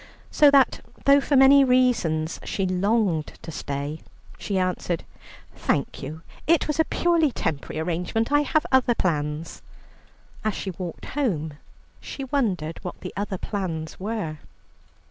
So that though for many reasons she longed to stay, she answered: "Thank you, it was a purely temporary arrangement; I have other plans." As she walked home she wondered what the other plans were.